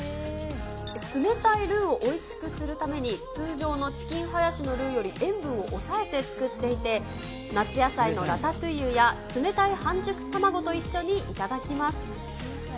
冷たいルーをおいしくするために、通常のチキンハヤシのルーより塩分を抑えて作っていて、夏野菜のラタトゥイユや、冷たい半熟卵と一緒に頂きます。